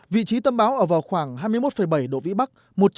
vị trí tâm bão ở vào khoảng hai mươi một bảy độ vĩ bắc